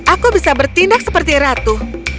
aku bisa bertindak seperti ratu